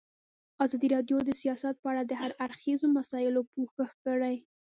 ازادي راډیو د سیاست په اړه د هر اړخیزو مسایلو پوښښ کړی.